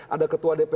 ada ketua dpr